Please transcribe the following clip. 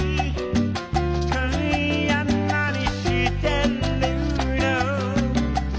「今夜なにしてるの？」